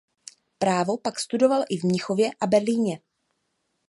Právo pak studoval i v Mnichově a Berlíně.